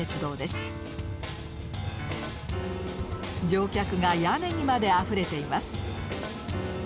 乗客が屋根にまであふれています。